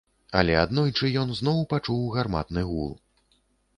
Але аднойчы ён зноў пачуў гарматны гул.